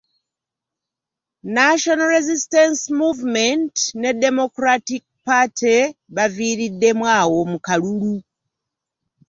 National Resistance Movement ne Democractic Party baviiriddemu awo mu kalulu.